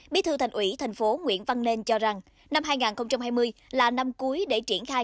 bí thư thành ủy tp hcm cho rằng năm hai nghìn hai mươi là năm cuối để triển khai